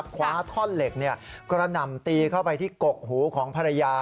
คว้าท่อนเหล็กกระหน่ำตีเข้าไปที่กกหูของภรรยา